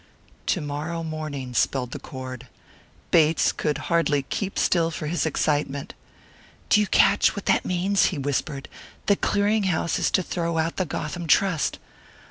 "To morrow morning," spelled the cord. Bates could hardly keep still for his excitement. "Do you catch what that means?" he whispered. "The Clearing house is to throw out the Gotham Trust!"